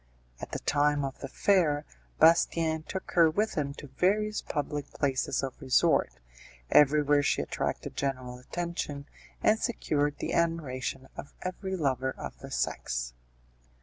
At the time of the fair, Bastien took her with him to various public places of resort; everywhere she attracted general attention, and secured the admiration of every lover of the sex.